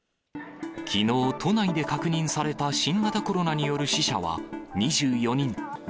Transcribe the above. きのう、都内で確認された新型コロナによる死者は２４人。